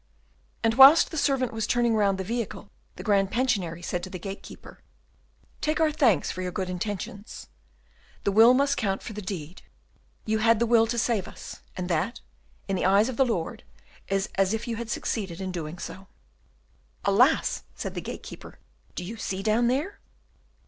And whilst the servant was turning round the vehicle the Grand Pensionary said to the gatekeeper, "Take our thanks for your good intentions; the will must count for the deed; you had the will to save us, and that, in the eyes of the Lord, is as if you had succeeded in doing so." "Alas!" said the gatekeeper, "do you see down there?"